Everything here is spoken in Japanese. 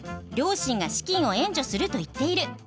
両親が資金を援助すると言っている。